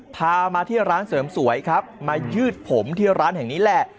พามาที่ร้านเสริมสวยครับมายืดผมที่ร้านแห่งนี้แหละ